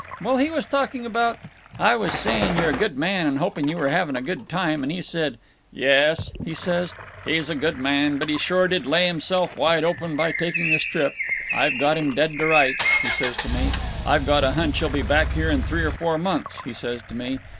Well, he was talking about—I was saying you're a good man and hoping you were having a good time—and he said, 'Yes,' he says, 'he's a good man, but he sure did lay himself wide open by taking this trip. I've got him dead to rights,' he says to me. 'I've got a hunch he'll be back here in three or four months,' he says to me.